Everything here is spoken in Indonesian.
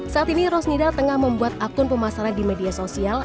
saat ini rosnida tengah membuat akun pemasaran di media sosial